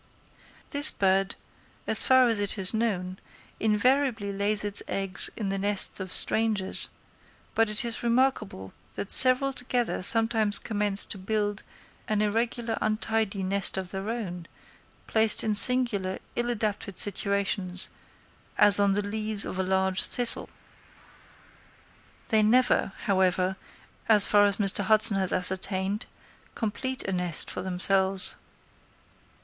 This bird, as far as it is known, invariably lays its eggs in the nests of strangers; but it is remarkable that several together sometimes commence to build an irregular untidy nest of their own, placed in singular ill adapted situations, as on the leaves of a large thistle. They never, however, as far as Mr. Hudson has ascertained, complete a nest for themselves.